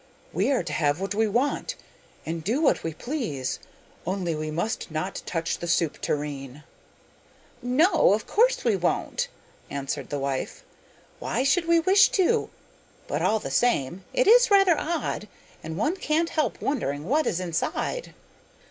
'We are to have what we want, and do what we please. Only we must not touch the soup tureen.' 'No, of course we won't,' answered the wife. 'Why should we wish to? But all the same it is rather odd, and one can't help wondering what is inside.